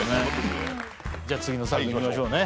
じゃあ次の作品いきましょうね。